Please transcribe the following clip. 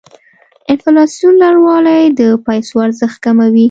د انفلاسیون لوړوالی د پیسو ارزښت کموي.